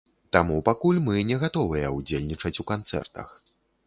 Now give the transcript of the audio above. Таму пакуль мы не гатовыя ўдзельнічаць у канцэртах.